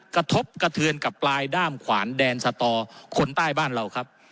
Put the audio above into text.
กระทบกระเทือนกับปลายด้ามขวานแดนสตอคนใต้บ้านเราครับ